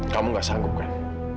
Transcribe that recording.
kamu nggak sanggup kan